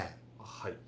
はい。